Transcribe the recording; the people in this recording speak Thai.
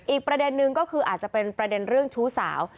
อีกประเด็นนึงก็คืออาจจะเป็นประเด็นเรื่องชู้สาว